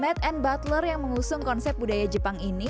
net and butler yang mengusung konsep budaya jepang ini